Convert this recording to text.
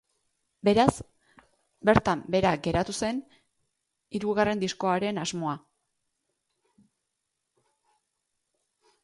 Beraz, bertan behera geratu zen hirugarren diskoaren asmoa.